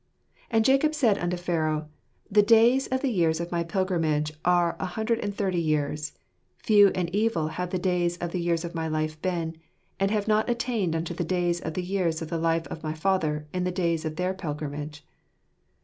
" And Jacob said unto Pharaoh, The .days of the years of my pilgrimage are an hundred and thirty years; few and evil have the days of the years of my life been, and have not attained unto the days of the years of the life of my fathers in the days of their pilgrimage."